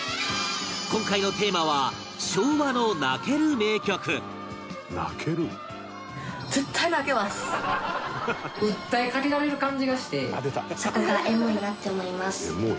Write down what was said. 今回のテーマは「昭和の泣ける名曲」富澤：泣ける？